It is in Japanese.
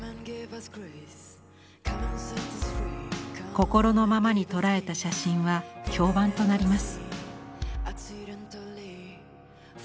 心のままに捉えた写真は評判となります。